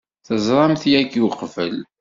Teẓram-t yagi uqbel?